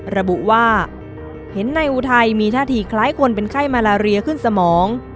ระบุว่าเห็นนายอุทัยมีท่าทีคล้ายคนเป็นไข้มาลาเรียขึ้นสมอง